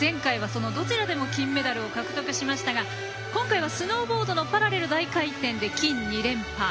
前回は、そのどちらでも金メダルを獲得しましたが今回はスノーボードのパラレル大回転で金、２連覇。